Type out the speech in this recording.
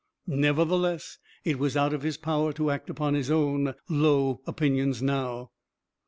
Nevertheless, it was out of his power to act upon his own low opinions now.